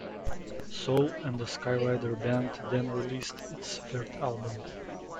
Sole and the Skyrider Band then released its third album.